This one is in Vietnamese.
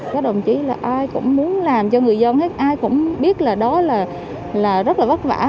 các đồng chí là ai cũng muốn làm cho người dân ai cũng biết là đó là rất là vất vả